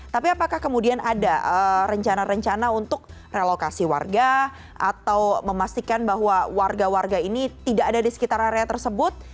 tapi apakah kemudian ada rencana rencana untuk relokasi warga atau memastikan bahwa warga warga ini tidak ada di sekitar area tersebut